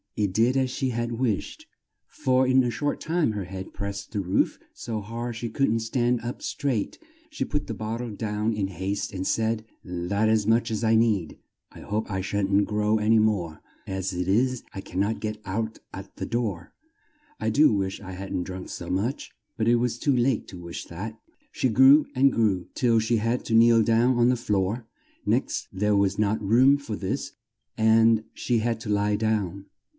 It did as she had wished, for in a short time her head pressed the roof so hard she couldn't stand up straight. She put the bot tle down in haste and said, "That's as much as I need I hope I shan't grow an y more as it is, I can't get out at the door I do wish I hadn't drunk so much!" But it was too late to wish that! She grew and grew, till she had to kneel down on the floor; next there was not room for this and she had to lie down.